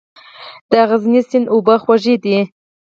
د غزني سیند اوبه خوږې دي